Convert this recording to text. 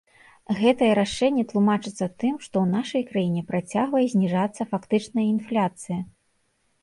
Гэтае рашэнне тлумачыцца тым, што ў нашай краіне працягвае зніжацца фактычная інфляцыя.